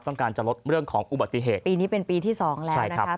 ต้องการจะลดเรื่องของอุบัติเหตุปีนี้เป็นปีที่สองแล้วนะครับ